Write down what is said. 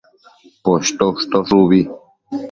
Poshto ushtosh ubi